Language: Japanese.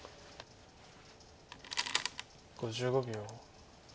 ５５秒。